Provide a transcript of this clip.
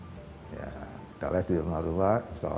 tidak les di rumah rumah